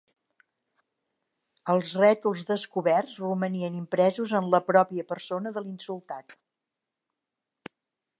Els rètols descoberts romanien impresos en la pròpia persona de l'insultat.